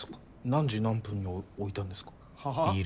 何時何分に置いたんですか？